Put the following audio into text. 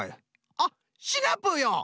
あっシナプーよ！